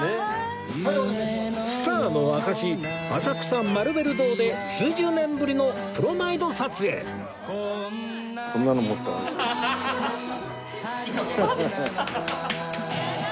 スターの証し浅草マルベル堂で数十年ぶりのプロマイド撮影ハハハ。